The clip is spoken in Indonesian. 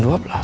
ya udah deh